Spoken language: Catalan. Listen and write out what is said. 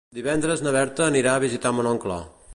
Divendres na Berta anirà a visitar mon oncle.